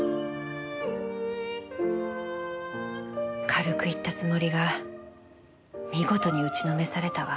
軽く言ったつもりが見事に打ちのめされたわ。